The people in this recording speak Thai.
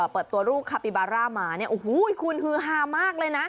เปิดตัวรูปคาปิบาร่ามาเนี่ยโอ้โหคุณฮือฮามากเลยนะ